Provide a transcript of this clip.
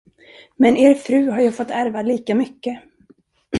Men er fru har ju fått ärva lika mycket.